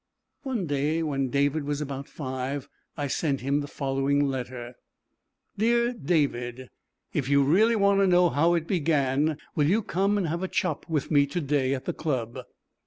One day, when David was about five, I sent him the following letter: "Dear David: If you really want to know how it began, will you come and have a chop with me to day at the club?"